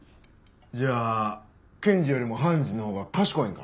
じゃあ検事よりも判事のほうが賢いんか？